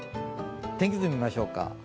天気図見ましょうか。